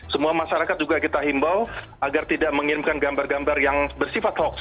semua masyarakat juga kita himbau agar tidak mengirimkan gambar gambar yang bersifat hoax